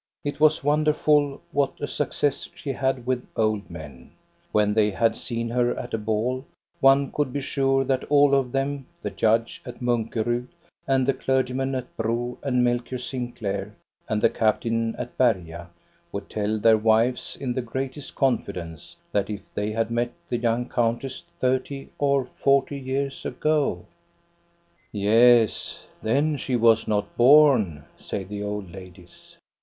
It was wonderful, what a success she had with old men. When they had seen her at a ball, one could be sure that all of them, the judge at Munkerud and the clergyman at Bro and Melchior Sinclair and the captain at Berga, would tell their wives in the greatest confidence that if they had met the young countess thirty or forty years ago —Yes, then she was not born," say the old ladies.